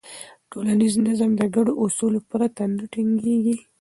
ټولنیز نظم د ګډو اصولو پرته نه ټینګېږي.